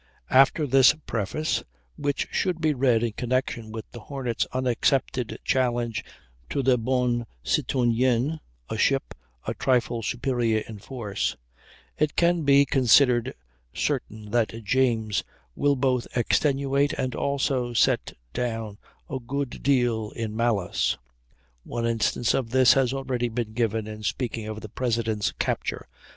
After this preface (which should be read in connection with the Hornet's unaccepted challenge to the Bonne Citoyenne, a ship "a trifle superior in force") it can be considered certain that James will both extenuate and also set down a good deal in malice. One instance of this has already been given in speaking of the President's capture.